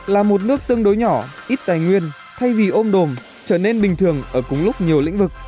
là một nước tương đối nhỏ ít tài nguyên thay vì ôm đồm trở nên bình thường ở cùng lúc nhiều lĩnh vực